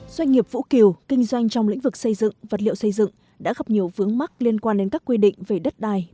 doanh nghiệp vũ kiều kinh doanh trong lĩnh vực xây dựng vật liệu xây dựng đã gặp nhiều vướng mắc liên quan đến các quy định về đất đai